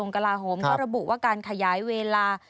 ก็ระบุว่าการขยายเวลา